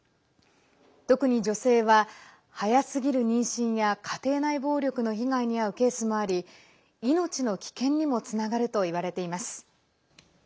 特に女性は、早すぎる妊娠や家庭内暴力の被害に遭うケースもあり命の危険にもつながるといわれています。